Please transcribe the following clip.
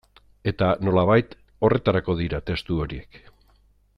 Eta, nolabait, horretarako dira testu horiek.